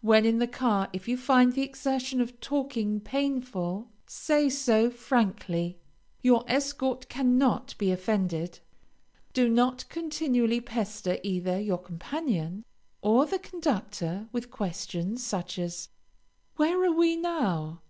When in the car if you find the exertion of talking painful, say so frankly; your escort cannot be offended. Do not continually pester either your companion or the conductor with questions, such as "Where are we now?"